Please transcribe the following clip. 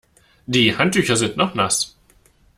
Die Handtücher sind noch nass.